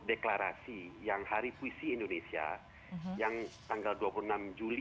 deklarasi yang hari puisi indonesia yang tanggal dua puluh enam juli